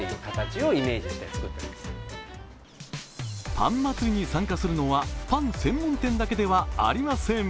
パン祭りに参加するのはパン専門店だけではありません。